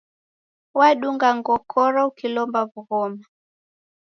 Wadunga ngokoro ukilomba w'ughoma.